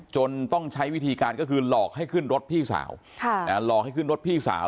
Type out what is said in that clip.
ต้องใช้วิธีการก็คือหลอกให้ขึ้นรถพี่สาวหลอกให้ขึ้นรถพี่สาว